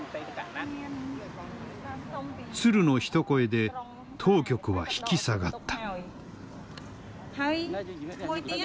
鶴の一声で当局は引き下がった。